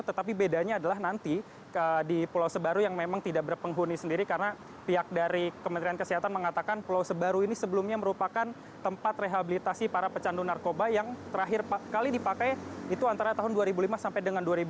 tetapi bedanya adalah nanti di pulau sebaru yang memang tidak berpenghuni sendiri karena pihak dari kementerian kesehatan mengatakan pulau sebaru ini sebelumnya merupakan tempat rehabilitasi para pecandu narkoba yang terakhir kali dipakai itu antara tahun dua ribu lima sampai dengan dua ribu lima